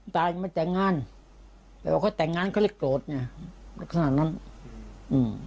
ตายังไม่แต่งงานแต่ว่าเขาแต่งงานเขาเรียกโกรธเนี้ยขนาดนั้นอืม